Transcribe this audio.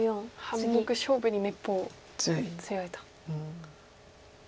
半目勝負にめっぽう強いと。